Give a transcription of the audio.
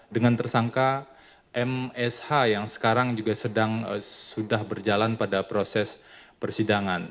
dengan tersangka msh yang sekarang juga sudah berjalan pada proses persidangan